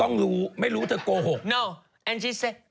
ต้องรู้ไม่รู้เธอกโกหก